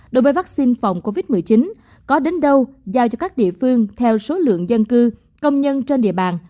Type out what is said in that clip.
đối với vaccine phòng covid một mươi chín có đến đâu giao cho các địa phương theo số lượng dân cư công nhân trên địa bàn